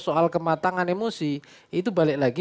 soal kematangan emosi itu balik lagi